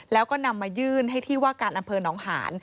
แล้วก็นำมายื่นให้ที่ว่าการอำเภอหนองหาน